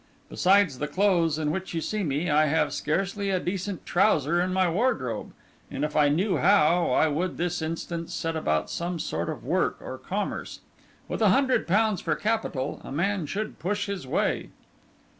'Besides the clothes in which you see me, I have scarcely a decent trouser in my wardrobe; and if I knew how, I would this instant set about some sort of work or commerce. With a hundred pounds for capital, a man should push his way.